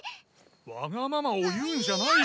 わがままを言うんじゃない！